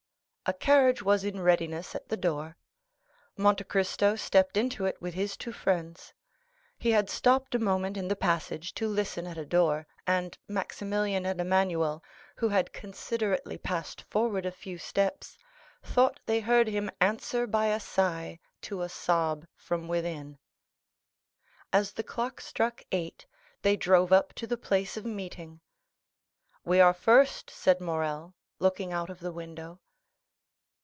A carriage was in readiness at the door. Monte Cristo stepped into it with his two friends. He had stopped a moment in the passage to listen at a door, and Maximilian and Emmanuel, who had considerately passed forward a few steps, thought they heard him answer by a sigh to a sob from within. As the clock struck eight they drove up to the place of meeting. "We are first," said Morrel, looking out of the window.